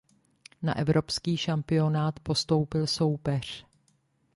Na evropský šampionát postoupil soupeř.